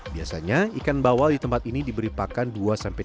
biasanya ikan bawal di tempat ini diberi pakan dua sampai tiga